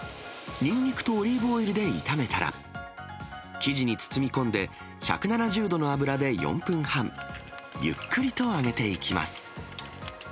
ニンニクとオリーブオイルで炒めたら、生地に包み込んで１７０度の油で４分半、ゆっくりと揚げていきます。